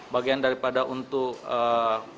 bagian daripada untuk apa namanya menghilangkan barang buka